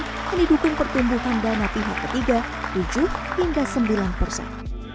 dan didukung pertumbuhan dana pihak ketiga tujuh hingga sembilan persen